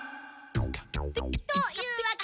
というわけで。